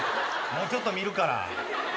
もうちょっと見るから。